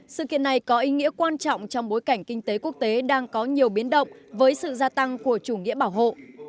sự kiện này có ý nghĩa quan trọng trong bối cảnh kinh tế quốc tế đang có nhiều biến động với sự gia tăng của chủ nghĩa bảo hộ